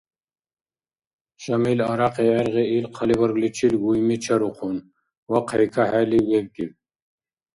Шамил арякьи гӀергъи ил хъалибаргличил Гуйми чарухъун, вахъхӀи кахӀели, вебкӀиб.